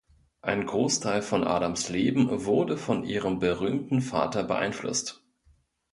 Ein Großteil von Adams Leben wurde von ihrem berühmten Vater beeinflusst.